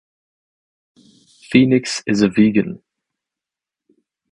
Phoenix is a vegan.